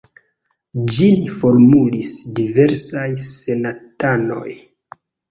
Ĝin formulis diversaj senatanoj.